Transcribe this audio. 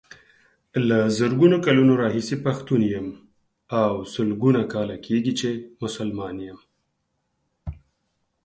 له زرګونو کلونو راهيسې پښتون يم او سلګونو کاله کيږي چې مسلمان يم.